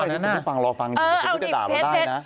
นี่ที่ฟังรอฟังมาพูดไปด่าแบบนี้ได้นะ